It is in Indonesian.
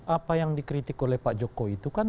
apa yang dikritik oleh pak jokowi itu kan